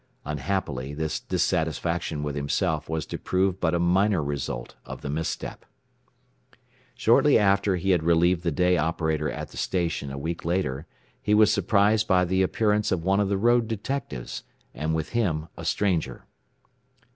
Unhappily this dissatisfaction with himself was to prove but a minor result of the misstep. Shortly after he had relieved the day operator at the station a week later he was surprised by the appearance of one of the road detectives, and with him a stranger.